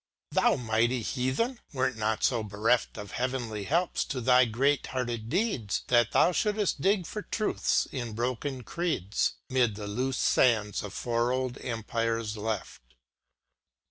Thou, mighty Heathen I wert not so bereft Of heavenly helps to thy great hearted deeds That thou shooldst dig for truths in broken creeds, 'Mid the loose sands of four old empires left.